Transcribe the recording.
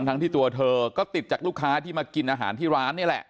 ทั้งที่ตัวเธอก็ติดจากลูกค้าที่มากินอาหารที่ร้านนี่แหละ